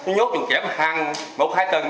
nhốt chuồng kém hàng một hai tầng